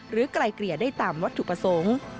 ไกลเกลี่ยได้ตามวัตถุประสงค์